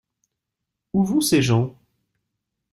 Ou vont ces gens?